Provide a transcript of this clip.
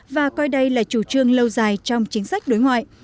và coi đây là chủ trương lâu dài trong chính sách đối ngoại